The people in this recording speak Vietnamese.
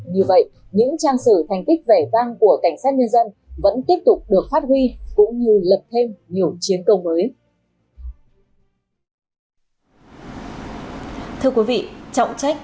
như vậy những trang sử thành tích vẻ vang của cảnh sát nhân dân vẫn tiếp tục được phát huy cũng như lập thêm nhiều chiến công mới